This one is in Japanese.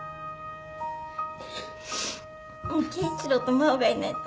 圭一郎と真央がいないと